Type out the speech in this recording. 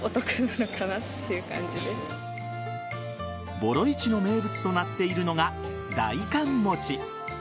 ボロ市の名物となっているのが代官餅。